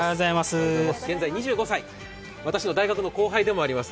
現在２５歳、私の大学の後輩でもあります。